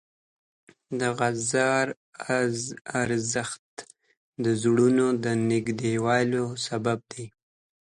د عذر ارزښت د زړونو د نږدېوالي سبب دی.